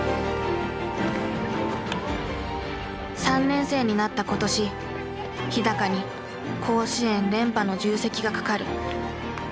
３年生になった今年日に甲子園連覇の重責がかかる。